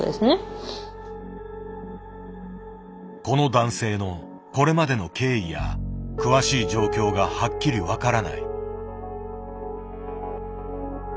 この男性のこれまでの経緯や詳しい状況がはっきり分からない。